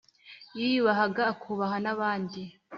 yiyubahaga akubaha nabandi.